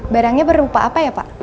barangnya berupa apa ya pak